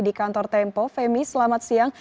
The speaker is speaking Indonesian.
di kantor tempo femi selamat siang